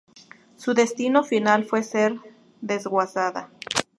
Su destino final fue ser desguazada.